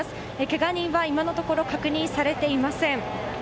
けが人は今のところ確認されていません。